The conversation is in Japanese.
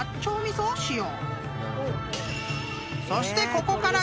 ［そして］